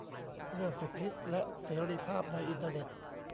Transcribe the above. เรื่อง "สิทธิและเสรีภาพในอินเทอร์เน็ต"